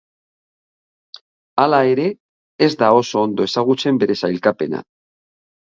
Hala ere, ez da oso ondo ezagutzen bere sailkapena.